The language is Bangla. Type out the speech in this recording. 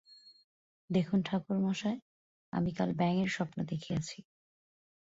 দেখুন ঠাকুরমশায়, আমি কাল ব্যাঙের স্বপ্ন দেখিয়াছি।